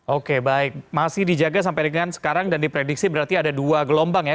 oke baik masih dijaga sampai dengan sekarang dan diprediksi berarti ada dua gelombang ya